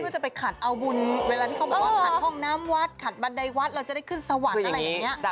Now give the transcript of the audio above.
จากจับมันจากนี่